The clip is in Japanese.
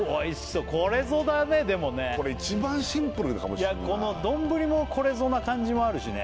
そうこれぞだねでもねこれ一番シンプルかもしれないこの丼もこれぞな感じもあるしね